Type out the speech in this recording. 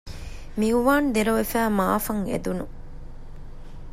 މިއުވާން ދެރަވެފައި މަޢާފަށް އެދުން